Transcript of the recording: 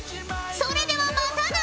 それではまたな！